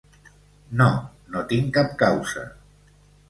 No, no tinc cap causa.